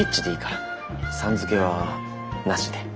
「さん」付けはなしで。